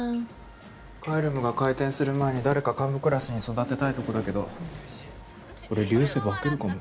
Ｃａｅｌｕｍが開店する前に誰か幹部クラスに育てたいとこだけどこれ流星化けるかも。